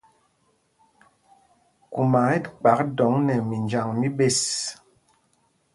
Kuma ɛ kpak dɔŋ nɛ minjaŋ mí ɓes.